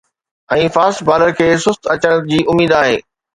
۽ fast balls کي سست اچڻ جي اميد آهي